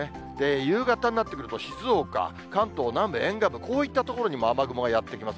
夕方になってくると、静岡、関東南部、沿岸部、こういった所にも雨雲がやって来ます。